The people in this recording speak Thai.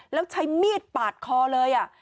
แล้วใช้มีดปาดคอเลย